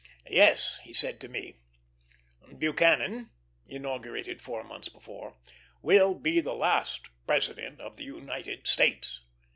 "Yes," he said to me, "Buchanan [inaugurated four months before] will be the last President of the United States."